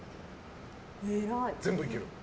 全部いける？